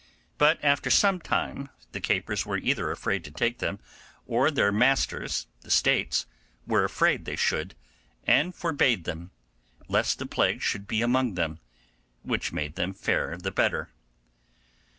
But after some time the capers were either afraid to take them, or their masters, the States, were afraid they should, and forbade them, lest the plague should be among them, which made them fare the better.